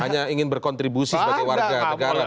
hanya ingin berkontribusi sebagai warganegara